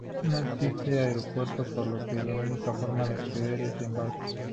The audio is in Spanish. No existe aeropuerto, por lo que la única forma de acceso es en barco.